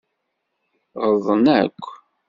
Ɣelḍen akk.